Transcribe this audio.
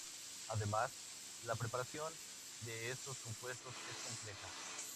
Además, la preparación de estos compuestos es compleja.